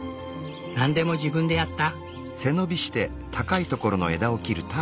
何でも自分でやった。